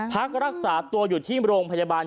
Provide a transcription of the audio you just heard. พักรักษาตัวอยู่ที่โรงพยาบาล